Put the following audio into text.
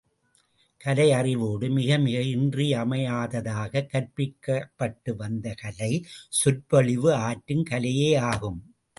கலை அறிவோடு மிகமிக இன்றியமையாததாகக் கற்பிக்கப்பட்டு வந்த கலை, சொற்பொழிவு ஆற்றும் கலையே ஆகும்.